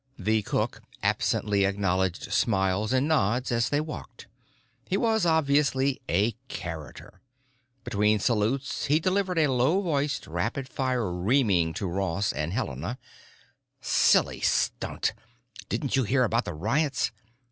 The cook absently acknowledged smiles and nods as they walked. He was, obviously, a character. Between salutes he delivered a low voiced, rapid fire reaming to Ross and Helena. "Silly stunt. Didn't you hear about the riots?